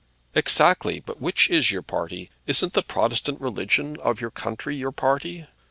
"Exactly; but which is your party? Isn't the Protestant religion of your country your party?